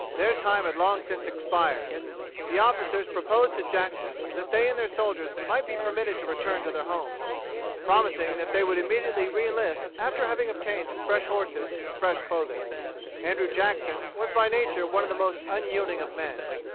Their time had long since expired. The officers proposed to Jackson that they and their soldiers might be permitted to return to their homes, promising that they would immediately re enlist after having obtained fresh horses and fresh clothing. Andrew Jackson was by nature one of the most unyielding of men.